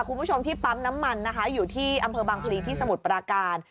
คุณผู้ชมที่ปั๊มน้ำมันนะคะอยู่ที่อำเภอบางพลีที่สมุทรปราการ